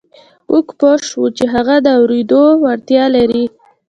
موږ پوه شوو چې هغه د اورېدو وړتیا لري